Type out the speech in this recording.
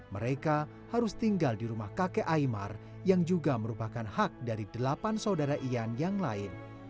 mereka harus tinggal di rumah kakek aymar yang juga merupakan hak dari delapan saudara ian yang lain